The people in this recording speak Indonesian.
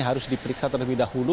harus diperiksa terlebih dahulu